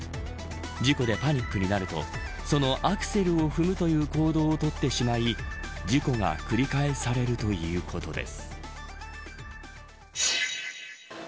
事故でパニックになるとそのアクセルを踏むという行動を取ってしまい事故が繰り返されるということです。